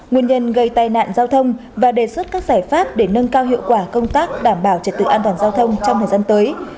nguyên nhân gây tai nạn giao thông và đề xuất các giải pháp để nâng cao hiệu quả công tác đảm bảo trật tự an toàn giao thông trong thời gian tới